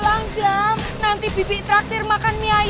adam adam dimana nak